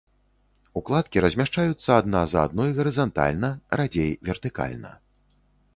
Укладкі размяшчаюцца адна за адной гарызантальна, радзей вертыкальна.